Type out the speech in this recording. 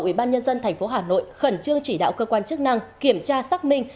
ủy ban nhân dân tp hà nội khẩn trương chỉ đạo cơ quan chức năng kiểm tra xác minh